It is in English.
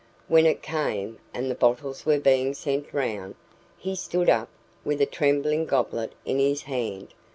When it came, and the bottles were being sent round, he stood up, with a trembling goblet in his hand.